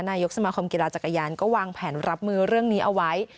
นายกสมาคมกีฬาจักรยานก็วางแผนรับมือเรื่องนี้เอาไว้